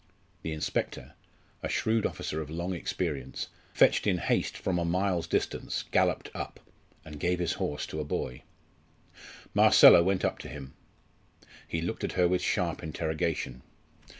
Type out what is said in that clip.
The inspector, a shrewd officer of long experience, fetched in haste from a mile's distance, galloped up, and gave his horse to a boy. Marcella went up to him. He looked at her with sharp interrogation.